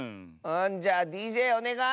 じゃあＤＪおねがい！